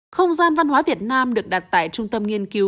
không gian văn hóa việt nam được đặt tại trung tâm nghiên cứu